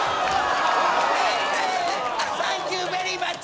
サンキューベリーマッチ！